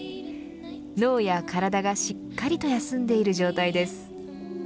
脳や体がしっかりと休んでいる状態です。